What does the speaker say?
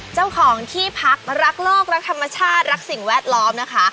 เจ้าของที่พักรักโลกรักธรรมชาติรักสิ่งแวดล้อมนะคะ